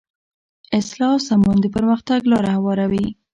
اصلاح او سمون د پرمختګ لاره هواروي.